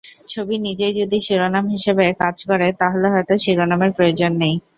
ছবি নিজেই যদি শিরোনাম হিসেবে কাজ করে তাহলে হয়তো শিরোনামের প্রয়োজন নেই।